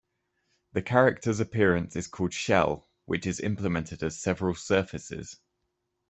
The character's appearance is called "shell", which is implemented as several "surfaces".